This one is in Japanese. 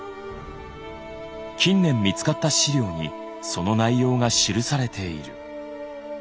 近年見つかった資料にその内容が記されている。